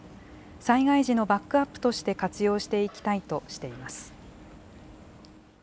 災害時のバックアップとして活用していきたいとしています。